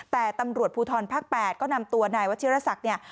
แต่ตำรวจภูทรภักดิ์๘ก็นำตัวนายวชิระศักดิ์